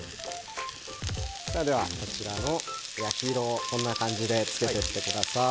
では焼き色こんな感じでつけていってください。